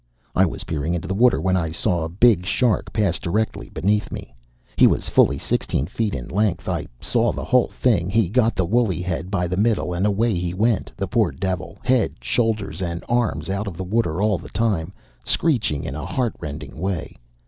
I was peering into the water when I saw a big shark pass directly beneath me. He was fully sixteen feet in length. I saw the whole thing. He got the woolly head by the middle, and away he went, the poor devil, head, shoulders, and arms out of the water all the time, screeching in a heart rending way.